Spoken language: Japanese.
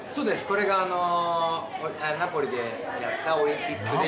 これがナポリでやったオリンピックで準優勝。